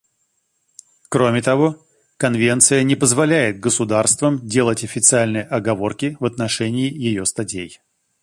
Кроме того, Конвенция не позволяет государствам делать официальные оговорки в отношении ее статей.